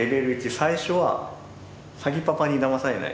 最初は詐欺パパにだまされない。